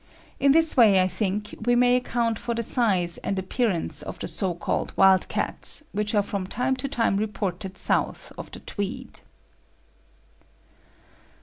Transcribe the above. In this way I think we may account for the size and appearance of the so called 'wild cats' which are from time to time reported south of the Tweed.